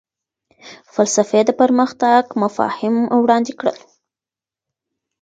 فلسفې د پرمختګ مفاهیم وړاندې کړل.